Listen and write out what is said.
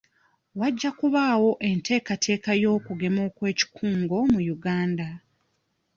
Wajja kubaawo enteekateeka y'okugema okw'ekikungo mu Uganda.